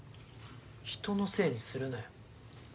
人のせいにするなよ。